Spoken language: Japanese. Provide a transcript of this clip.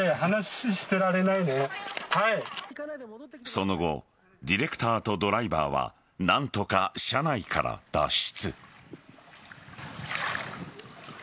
その後ディレクターとドライバーは何とか車内から脱出。